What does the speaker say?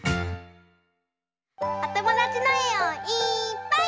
おともだちのえをいっぱい。